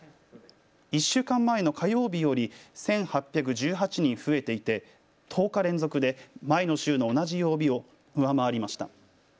１週間前の火曜日より１８１８人増えていて、１０日連続で前の週の同じ曜日を上回りました。